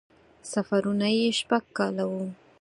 سفرونه یې شپږ کاله وو.